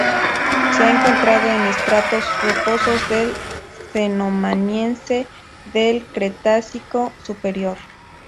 Se ha encontrado en estratos rocosos del Cenomaniense del Cretácico Superior.